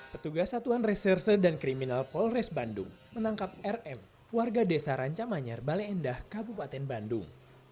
petugas satuan reserse dan kriminal polres bandung menangkap rm warga desa ranca manyar bale endah kabupaten bandung